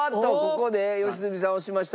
ここで良純さん押しました。